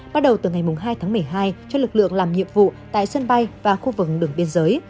bắt đầu từ ngày hai tháng một mươi hai cho lực lượng làm nhiệm vụ tại sân bay và khu vực đường biên giới